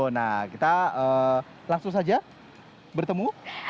nah kita langsung saja bertemu